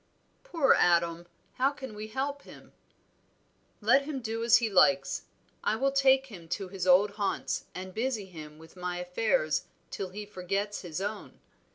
"Poor Adam! how can we help him?" "Let him do as he likes. I will take him to his old haunts, and busy him with my affairs till he forgets his own.